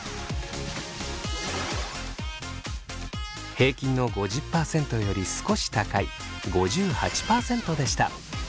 平均の５０％より少し高い５８％でした。